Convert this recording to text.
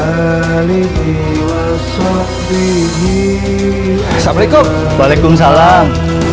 engkak munculin kebetulan